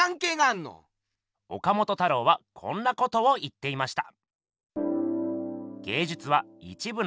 岡本太郎はこんなことを言っていました。